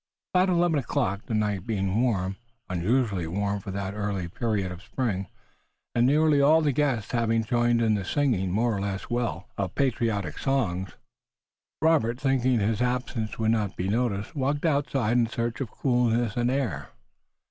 About eleven o'clock, the night being warm, unusually warm for that early period of spring, and nearly all the guests having joined in the singing, more or less well, of patriotic songs, Robert, thinking that his absence would not be noticed, walked outside in search of coolness and air.